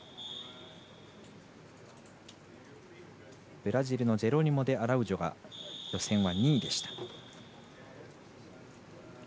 ブラジルのジェロニモデアラウジョ予選は２位でした。